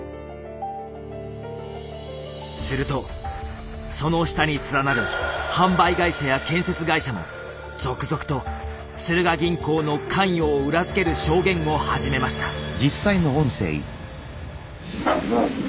するとその下に連なる販売会社や建設会社も続々とスルガ銀行の関与を裏付ける証言を始めました。